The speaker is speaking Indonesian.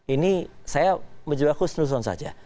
ini saya menjelasku senusun saja